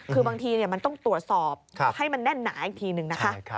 คือบางทีมันต้องตรวจสอบให้มันแน่นหนาอีกทีหนึ่งนะคะ